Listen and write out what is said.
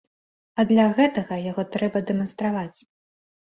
А для гэтага яго трэба дэманстраваць.